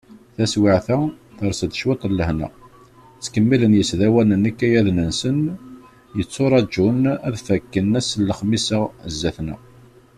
Taswiɛt-a, ters-d cwiṭ n lehna, ttkemmilen yisdawanen ikayaden-nsen, yetturaǧun ad fakken ass n lexmis-a sdat-nneɣ.